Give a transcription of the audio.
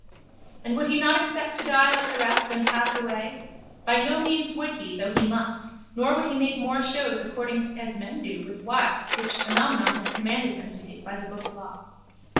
And would he not accept to die like the rest and pass away? By no means would he though he must nor would he make more shows according as men do with wives which Phenomenon has commanded them to do by the book Law.